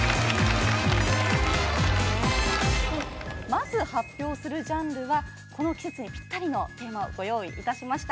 まず発表するジャンルはこの季節にぴったりのテーマをご用意いたしました。